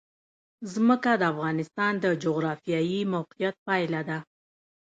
ځمکه د افغانستان د جغرافیایي موقیعت پایله ده.